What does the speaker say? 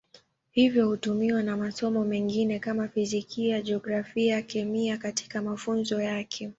Hivyo hutumiwa na masomo mengine kama Fizikia, Jiografia, Kemia katika mafunzo yake.